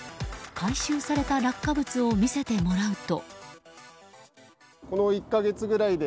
回収された落下物を見せてもらうと。